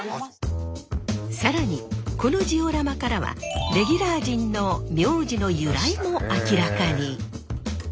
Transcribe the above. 更にこのジオラマからはレギュラー陣の名字の由来も明らかに。